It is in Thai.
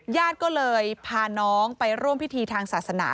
ญาติก็เลยพาน้องไปร่วมพิธีทางศาสนา